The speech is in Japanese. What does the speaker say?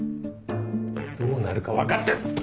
どうなるか分かってる？